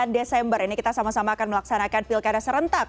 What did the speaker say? sembilan desember ini kita sama sama akan melaksanakan pilkada serentak